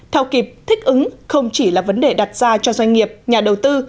thao kịp thích ứng không chỉ là vấn đề đặt ra cho doanh nghiệp nhà đầu tư